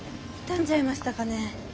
傷んじゃいましたかね。